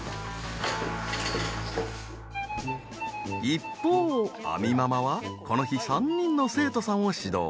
一方亜美ママはこの日３人の生徒さんを指導。